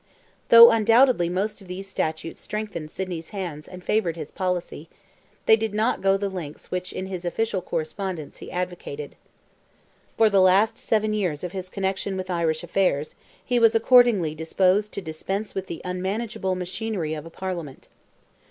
Though undoubtedly most of these statutes strengthened Sidney's hands and favoured his policy, they did not go the lengths which in his official correspondence he advocated. For the last seven years of his connection with Irish affairs, he was accordingly disposed to dispense with the unmanageable machinery of a Parliament.